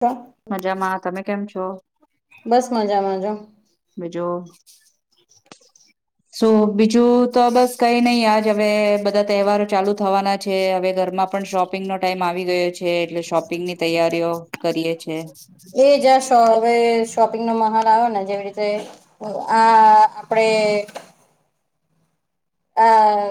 તો મજામાં તમે કેમ છો બસ મજામાં જો બીજો. [inaudible] શું બીજું તો બસ કઈ નહી આજ હવે બધા તહેવારો ચાલુ થવાના છે હવે ઘરમાં. પણ શોપિંગ નો ટાઈમ આવી ગયો છે એટલે શોપિંગ ની તૈયારીઓ કરીએ છે. એ જ્યાં હવે શોપિંગ નો માહોલ આવ્યો ને જેવી રીતે. આ આપડે. આ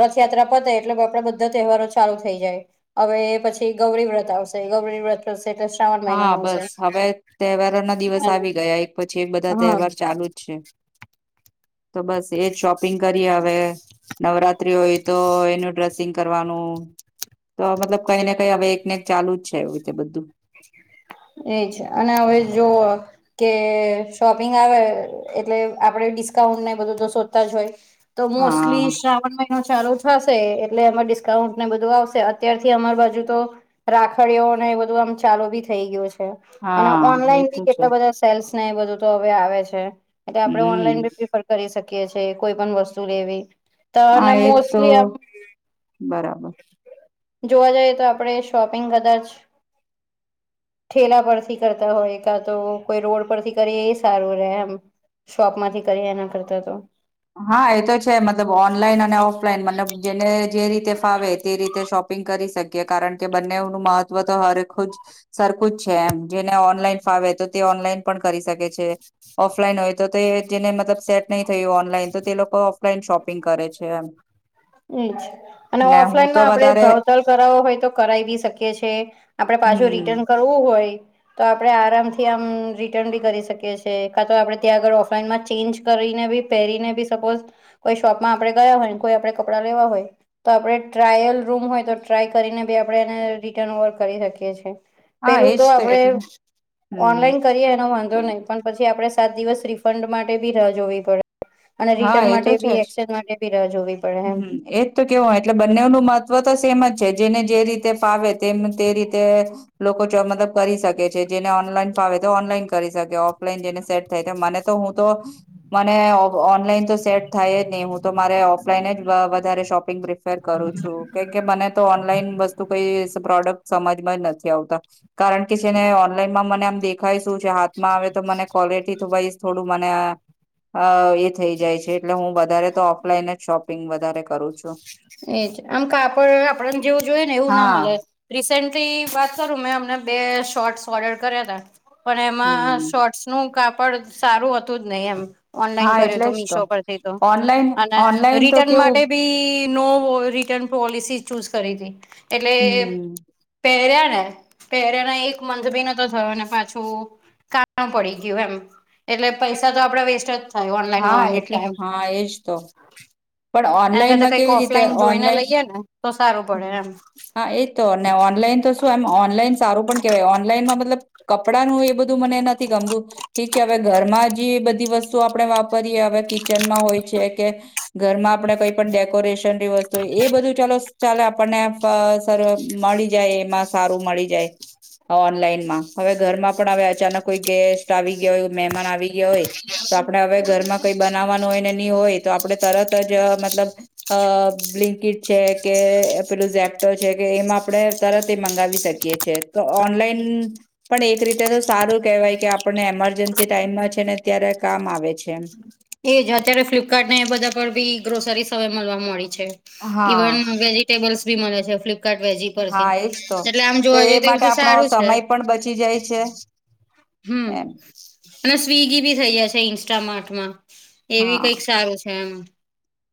રથયાત્રા પતે એટલે આપડે બધા તહેવારો ચાલુ થઈ જાય. હવે એ પછી ગૌરી વ્રત આવશે ગૌરી વ્રત. થશે એટલે શ્રાવણ મહિનો હા આવશે બસ હવે તહેવારો ના દિવસ અને આવી ગયા એક પછી એક બધા હા તહેવાર ચાલુ. છે તો બસ એજ શોપિંગ કરીએ હવે. નવરાત્રી હોય તો એનું ડ્રેસિંગ કરવાનું. તો મતલબ કઈને કઈ હવે એકને એક ચાલુ જ છે એવી રીતે બધું. એ છે અને હવે જો. કે શોપિંગ આવે એટલે આપડે ડિસ્કાઉન્ટને બધું તો શોધતા જ હોય. તો હા મોસ્ટલી શ્રાવણ મહિનો ચાલુ થશે. થશે એટલે એમાં ડિસ્કાઉન્ટ ને બધું આવશે અત્યારથી અમાર બાજુ તો. રાખડીઓને એ બધું આમ ચાલુ બી થઈ ગયું છે અને હા એ ઓનલાઈન તો બી છે કેટલા બધા. સેલ્સ ને એ બધું તો હવે આવે છે એટલે આપડે હમ ઓનલાઈન ફિફ્ટી. કરી શકીએ છે કોઈ પણ વસ્તુ લેવી તો અને હા એ જ તો મોસ્ટલી. બરાબર. જોવા જઈએ તો આપણેે શોપિંગ કદાચ. ઠેલા પરથી કરતા હોય કા તો કોઈ રોડ પરથી કરી એ સારું રે એમ. શોપ માંથી કરીએ એના કરતા તો. હા એ તો છે મતલબ ઓનલાઈન અને ઓફલાઈન મતલબ જેને જે રીતે ફાવે તે રીતે શોપ. પિંગ કરી શકીએ કારણ કે બંનેવ નું મહત્વ તો હરેખુજ. સરખુ જ છે એમ જેને ઓનલાઈન ફાવે તો તે ઓનલાઈન પણ કરી શકે છે. ઓફલાઈન હોય તો તે જેને મતલબ સેટ નહી થયું ઓનલાઈન તો તે લોકો. ઓફલાઈન શોપિંગ કરે છે એમ. એજ. અને ને હું તો ઓફલાઈનમાં આપડે વધારે ભાવ તાલ કરાવો હોય તો કરાવી બી શકીએ છીએ આપડે પાછો હમ રિટર્ન કર. કરવું હોય. તો આપણે આરામથી આમ રિટર્ન બી કરી શકીએ છીએ કાં તો આપણે ત્યાં આગળ ઓફલાઈનમાં ચેન્જ કરીને બી. પહેરીને બી સપોઝ કોઈ શોપમાં આપણે ગયા હોય ને કોઈ આપે કપડા લેવા હોય. તો આપણે ટ્રાયલ રૂમ હોય તો ટ્રાય કરીને બી આપણે એને રિટર્ન ઓવર કરી શકીએ છીએ. હા પેલું તો એજ આપડે એટલે હમ ઓનલાઈન કરીએ એનો વાંધો નઈ. પણ પછી આપડે સાત દિવસ રિફંડ માટે બી રાહ જોવી પડે. અને હા રિટર્ન એ માટે તો છે બી જ એક્સચેન્જ માટે બી રાહ જોવી. પડે એમ. હમ એજ તો કેવું હોય એટલે બંનેનું મહત્વ તો સેમ જ છે જેને જે રીતે ફાવે તેમ તે રીતે. લોકો મતલબ કરી શકે છે જેને ઓનલાઈન ફાવે તો ઓનલાઈન કરી શકે ઓફલાઈન જેને સેટ. થાય તો મને તો હું તો મને. ઓનલાઈન તો સેટ થાય જ નહી હું તો મારે ઓફલાઈન જ વધારે શોપિંગ પ્રિફર કરું છું. કે કે મને તો ઓનલાઈન વસ્તુ કઈ પ્રોડક્ટ સમજમાં જ નથી આવતા. કારણ કે છેને ઓનલાઈનમાં મને આમ દેખ. ખાય શું છે હાથમાં આવે તો મને ક્વોલિટી તો બી થોડું મને એ. થઈ જાય છે એટલે હું વધારે તો ઓફલાઈન જ શોપિંગ વધારે કરું છું. એજ આમ કાપડ આપણને જેવું જોઈએ ને એવું ના મળે. હા રિસેન્ટલી વાત કરું મેં અમને બે શોર્ટ્સ ઓર્ડર કર્યા હતા પણ એમાં હમ શોટ. નું કાપડ સારું હતું જ નહી એમ. ઓનલાઈન હા કર્યો એટલે તો જ મિશો પરથી તો ઓનલાઈન અને ઓનલાઈન તો રિટર્ન કેવું માટે બી. નો રિટર્ન પોલિસી ચૂઝ કરી હતી એટલે. હમ પહેર્યા ને પહેર્યાને એક મંથબી ન તો થયો ને પાછું કાણા પડી ગયું એમ એટલે પૈસા તો આપડે વેસ્ટ જ થાય હા ઓનલાઈનમાં અમુક એટલે ટાઈમ હા એજ તો પણ એના કરતા ઓનલાઈનમાં કંઈક કેવી રીતે ઓફલાઈન જોઈને ઓનલાઈન લઈએ તો સારું પડે એમ હા એ તો ને ઓનલાઈન તો શું એમ ઓનલાઈન સારું પણ કેહેવાય ઓનલાઈનમાં મતલબ કપડાનું એ બધું મને નથી ગમતું ઠીક છે હવે ઘરમાં જે બધી વસ્તુ આપડે વાપરીએ હવે કે કિચનમાં હોય છે કે ઘરમાં આપણેે કઈ પણ ડેકોરેશનની વસ્તુ એ બધું ચાલો ચાલે આપણને સર મળી જાય એમાં સારું મળી જાય. ઓનલાઈનમાં હવે ઘરમાં પણ હવે અચાનક કોઈ ગેસ્ટ આવી ગયા હોય મહેમાન આવી ગયા હોય તો આપડે હવે ઘરમાં કઈ બનાવવાનું હોય ને નહી હોય તો આપડણે તરત જ મતલબ અ બ્લિંકટ છે કે પેલું ઝેપ્ટો છે કે એમાં આપણે તરત એ મંગાવી શકીએ છે તો ઓનલાઈન પણ એક રીતે તો સારું કહેવાય કે આપણને એમરજન્સી ટાઈમમાં છે ને અત્યારે કામ આવે છે એમ. એજ અત્યારે ફ્લિપકાર્ટને એ બધા પર બી ગ્રોસરીસ હવે મળવા મળી છે. હા ઇવન વેજીિટેબલ્સ બી મળે છે ફ્લિપકાર્ટ વેજી ઉપરથી હા એજ તો એટલે આમ જોવા જઈએ તો એ માટે બધું આપણો સારું છે. સમય પણ બચી જાય છે હમ્મ એમ અને સ્વિગી બી થઈ જાય છે ઇન્સ્ટામાર્ટમાં એવી હા. કઈક સારું છે એમ.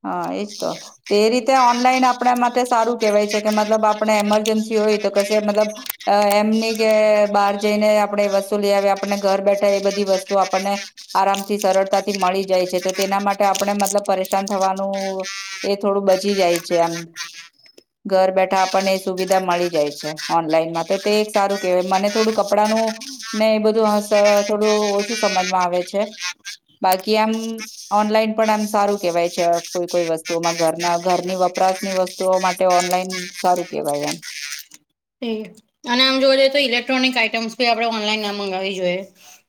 હા એજ તો તે રીતે ઓનલાઈન આપ આપણા માટે સારું કેહેવાય છે કે મતલબ આપણે એમરજન્સી હોય તો કશે મતલબ અ એમની કે બહાર જઈને આપણેે વસ્તુ લઈ આવીએ આપણને ઘર બેઠા એ બધી વસ્તુ આપણને આરામથી સરળતાથી મળી જાય છે તો તેના માટે આપણે મતલબ પરે નુકસાન થવાનું એ થોડું બચી જાય છે આમ. ઘર બેઠા આપણને સુવિધા મળી જાય છે ઓનલાઈનમાં તો તે એક સારું કેહેવાય મને થોડું કપડાંનું ને એ બધું હ થોડું ઓછું સમજમાં આવે છે. બાકી આમ ઓનલાઈન પણ આમ સારું કેવાય છે અ કોઈ કોઈ વસ્તુમાં ઘરના ઘરની વપરાશની વસ્તુઓ માટે ઓનલાઈન સારું કેવાય એમ તે [inaudible] આમ જોવા જઈએ તો ઇલેક્ટ્રોનિક આઈટમ આપણે ઓનલાઈન ના મગાવવી જોઈએ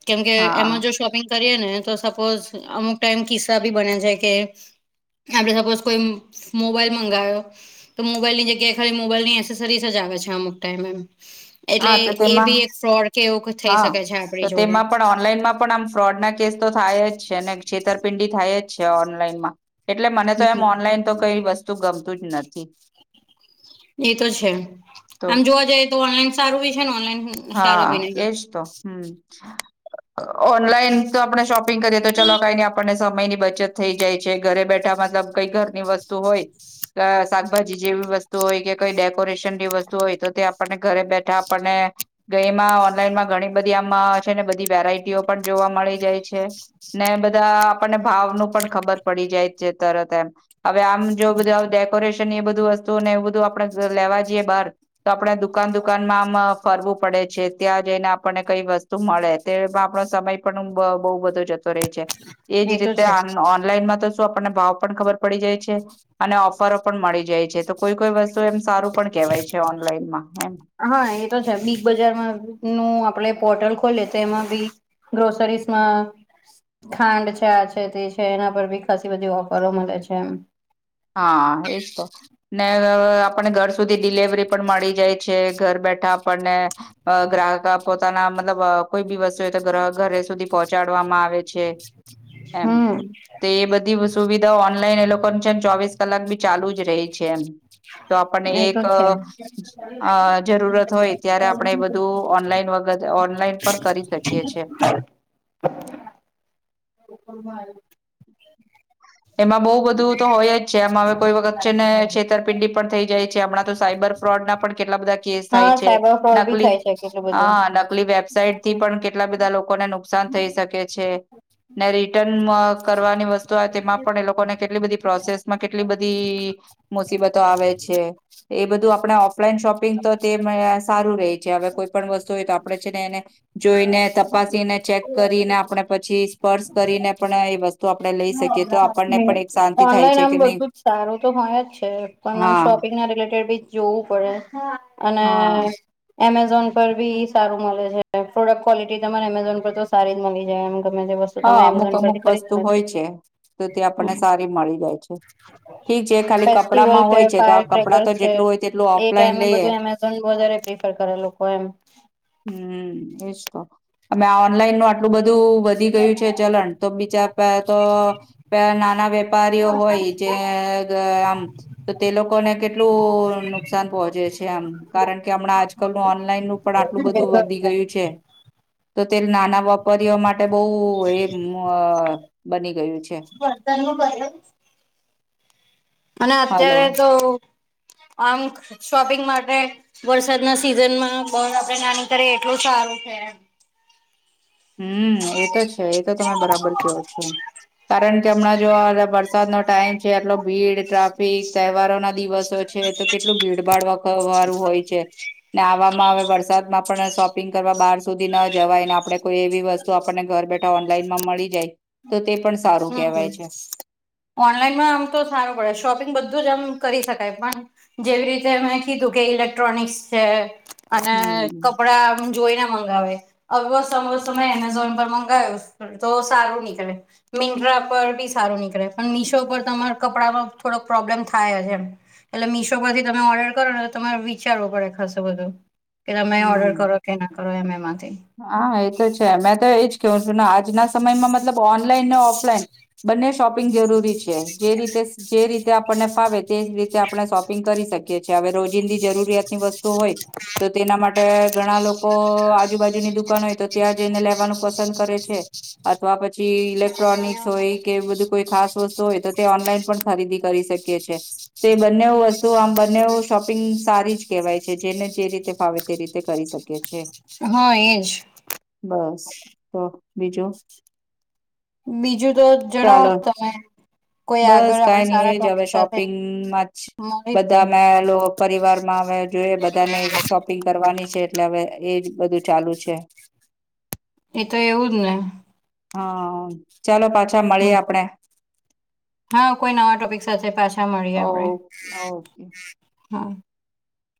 કેમ કે હા એમાં જો શોપિંગ કરીએ ને તો સપોઝ અમુક ટાઈમ કિસ્સા બી બને છે કે એ આપડણે સપોઝ કોઈ મોબાઈલ મંગાયો તો મોબાઈલની જગ્યાએ ખાલી મોબાઈલ ની એસેસરીસ જ આવે છે અમુક ટાઈમ એટલે હા તો એ તેમાં બી એક ફ્રોડ કે એવું થઈ હા શકે છે તો આપણી જોડે તેમાં પણ ઓનલાઈનમાં પણ આમ ફ્રોડ ના કેસ તો થાય જ છે ને છેતરપિંડી થાય જ છે ઓનલાઈનમાં એટલે મને તો હમ એમ ઓનલાઈન તો કઈ વસ્તુ તું ગમતું જ નથી. એ તો છે તો આમ જોવા જઈએ તો ઓનલાઈન સારું બી છે ને ઓનલાઈન સારું હા બી નહી એજ તો હમ્મ. [inaudible] ઓનલાઈન તો આપણે શોપિંગ કરીએ તો ચલો કઈ આપણને સમયની બચત થઈ જાય છે ઘરે બેઠા મતલબ કઈ ઘરની વસ્તુ હોય અ શાકભાજી જેવી વસ્તુ હોય કે કોઈ ડેકોરેશન ની વસ્તુ હોય તો તે આપણને ઘરે બેઠા આપણને ગ એમાં ઓનલાઈનમાં ઘણી બધી આમાં છે ને બધી વેરાયટીઓ પણ જોવા મળી જાય છે. ને બધા આપણને ભાવ નું પણ ખબર પડી જાય છે તરત એમ. હવે આમ જો બધું ડેકોરેશન એ બધું વસ્તુ ને એવું બધું આપડે લેવા જઈએ બહાર તો આપડે દુકાન દુકાનમાં આમ ફરવું પડે છે ત્યાં જઈને આપણને કઈ વસ્તુ મળે તેમાં આપણો સમય પણ બહુ બધો જતો રહે છે. એજ એ તો રીતે છે ઓન ઓનલાઈનમાં તો આપણને ભાવ પણ ખબર પડી જાય છે અને ઓફરો પણ મળી જાય છે, તો કોઈ કોઈ વસ્તુ એમ સારું પણ કેવાય છે, ઓનલાઈનમાં એમ હા એ તો છે, બિગ બજારમાં નું આપણે પોર્ટલ ખોલીએ તો એમાં બી ગ્રોસરીસમા ખાંડ ચા છે તે છે, એના પર બી ખાસ બધી ઓફરો મળે છે એમ હા એજ તો ને આપણે ઘર સુધી ડિલેવરી પણ મળી જાય છે ઘર બેઠા આપણને અ ગ્રાહક પોતાના મતલબ કોઈ બી વસ્તુ ઘરે સુધી પહોંચાડવામાં આવે છે એમ હમ તો એ બધી વસ્તુ સુવિધા ઓનલાઈન એ લોકો જેમ ચોવીસ કલાક બી ચાલુ જ રહી છે, એમ તો આપણને એ તો એક છે જરૂરત હોય, ત્યારે આપણે એ બધું ઓનલાઈન વગર ઓનલાઈન પણ કરી શકીએ છીએ. બ ખબ ભાઈ એમાં બહુ બધું તો હોય જ છે આમાં હવે કોઈ વખત છેને છેતરપિંડી પણ થઈ જાય છે હમણાં તો સાયબર ફ્રોડ ના પણ કેટલા બધા હા થાય સાયબર ન ફ્રોડ બી હ થાય છે કેટલું બધું નકલી વેબસાાઈટ થી પણ કેટલા બધા લોકોને ન નુકસાન થઈ શકે છેને, રિટર્ન કરવાની વસ્તુ આવે તેમા પણ એ લોકોને કેટલી બધી પ્રોસેસમાં કેટલી બધી મુસીબતો આવે છે. એ બધું આપણે ઓફલાઈન શોપિંગ તો તે સારું રહે છે, હવે કોઈ પણ વસ્તુ હોય, તો આપડણે છે ને એને જોઈને તપાસીને ચેક કરીને આપણે પછી સ્પર્શ કરીને પણ એ વસ્તુ આપડણે લઈ શકીએ તો આપણને પણ એક શાંતિ થાય ઓનલાઈન છે આમ કે નહી બધું જ સારું તો હોય, જ છે પણ આમ હા શોપિંગ ના રિલેટેડ બી જોવું પડે અને હા એમેઝોન પર બી સારું મળે છે, પ્રોડક્ટ ક્વોલિટી તમારે એમેઝોન પર તો સારી જ મળી જાય એમ ગમે જે વસ્તુ હા તમે અમુક એમેઝોન અમુક પરથી વસ્તુ ખરીદો ને. હોય છે, તો તે આપણને સારી મળી જાય છે. ઠીક છે ખાલી ફેસ્ટિવલ કપડામાં હોય છે, તો ફાયર આ કપડાં ક્રેકર તો છે જેટલું હોય તેટલું એ ઓફલાઈન ટાઈમે લઈએ બધું વધારે પ્રેફર કરે લોકો એમ હમ એ તોમે ઓનલાઈન આટલું બધું વધી ગયુ છે, ચલણ તો બીચા પ તો નાના વેપારીઓ હોય જે આમ તો તે લોકોને કેટલું નુકસાન પહોંચે છે, આમ કારણ કે હમણાં આજકાલનું ઓનલાઈનનુ પણ બધુ વધી ગયુ છે, તો તે નાના પરઓ માટે બહુ એ બની ગયું છે. તુ ક અને હાલો અત્યારે તો અંક શોપિંગ માટે વરસાદ ના સિઝનમા બ આપડે નાની કરીએ એટલું સારુ છે. હમ એ તો છે એતો તમે બરાબર કયો છો. કારણ કે હમણાં જો વરસાદનોો ટાઈમ છે, એટલો ભીડ ટાફ તહેવારો ના દિવસો છે, તો કેટલું ભીડભાડ વખ વારું હોય છે ને આવા હવે વરસાદમાં પણ શોપિંગ કરવા બહાર સુધી ન જવાયને આપણે કોઈ એવી વસ્તુ આપણને ઘર બેઠા ઓનલાઈનમા મળી જાય તો તે પણ સારું કેહેવાય હમ છે. ઓનલાઈનમાં આમ તો સારુ પડે શોપિંગ બધું જ આમ કરી શકાય પણ જેવી રીતે મેં કીધું કે ઇલેક્ટ્રોનિક્સ છે, અને હમ કપડા જોઈને મંગાવે અ ત એમેઝોન પર મંગાવ્યો તો સારું નીકળે મિન્ટ્રા પર બી સારું નીકળે પણ મીશો પર તમારા કપડામાં થોડોક પ્રોબ્લેમ થાય છે, એમ એટલે મીશો પરથી તમે ઓર્ડર કરો ને તમારે વિચારવું પડે ખાસુ બધુ કે તમે હમ ઓર્ડર કરો કે ના કરો એમ એમાંથી હા એ તો છે મેં તો એજ કેહવું છુ, ને આજના સમયમાં મતલબ ઓનલાઈન ને ઓફલાઈન બંને શોપિંગ જરૂરી છે જે રીતે જે રીતે આપણને ફાવે તે જ રીતે આપણે શોપિંગ કરી શકીએ છીએ હવે રોજિંદી જરૂરિયાતની વસ્તુ હોય. તો તેના માટે ઘણા લોકો આજુબજુની દુકાન હોય તો ત્યાં જઈને લેવાનું પસંદ કરે છે અથવા પછી ઈલે ક્ટ્રોનિક્સ હોય કે બધું કોઈ ખાસ વસ્તુ હોય તો તે ઓનલાઈન પણ ખરીદી કરી શકીએ છે. તે બંને વસ્તુ આમ બંનેવ શોપિંગ સારી જ કહેવાય છે જેને જે રીતે ફાવે તે રીતે કરી શ કે છે. હા એજ બસ તો બીજું બીજું તો જણાવો ચાલો તમે? કોઈ બસ આગળ આપણે કઈ નહી સારા એજ હવે ટોપિક સાથે શોપિંગમાં જ મળે તો બધા મે લોકો પરિવાર માં આવે જોઈએ બધાને શો પિંગ કરવાની છે એટલે હવે એજ બધું ચાલુ છે. એ તો એવું જ ને. હા ચાલો પાછા મળીએ હમ. આપડે. હા કોઈ નવા ટોપિક સાથે પાછા મળીએ ઓ આપણેે ઓકે હા.